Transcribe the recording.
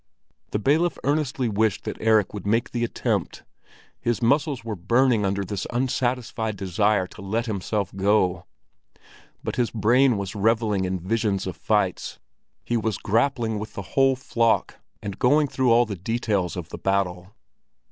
The bailiff earnestly wished that Erik would make the attempt. His muscles were burning under this unsatisfied desire to let himself go; but his brain was reveling in visions of fights, he was grappling with the whole flock and going through all the details of the battle.